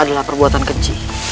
adalah perbuatan kecil